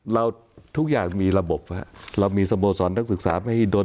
เราทุกอย่างมีระบบเรามีสโมสรนักศึกษามหิดล